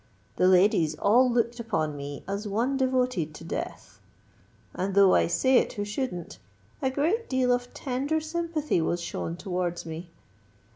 The ladies all looked upon me as one devoted to death: and though I say it who shouldn't, a great deal of tender sympathy was shown towards me.